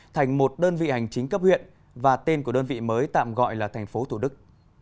thành một đơn vị hành chính cấp huyện và tên của đơn vị mới tạm gọi là thành phố thủ đức